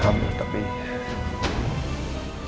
iya ada kolen di depan